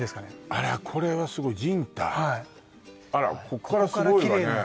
あらこれはすごいあらこっからすごいわね